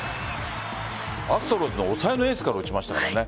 アストロズの抑えのエースから打ちましたからね。